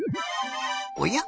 おや？